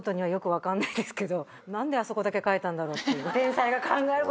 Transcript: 何であそこだけ描いたんだろうっていう。